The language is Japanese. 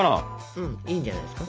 うんいいんじゃないですか。